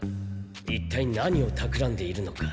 いったい何をたくらんでいるのか。